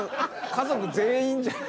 家族全員じゃあ。